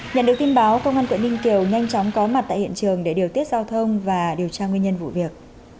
nhận được tin báo công an quận ninh kiều nhanh chóng có mặt tại hiện trường để điều tiết giao thông và điều tra nguyên nhân vụ việc